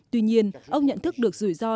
tuy nhiên ông nhận thức được rủi ro